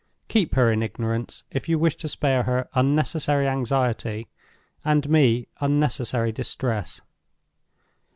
Keep her in ignorance, if you wish to spare her unnecessary anxiety, and me unnecessary distress.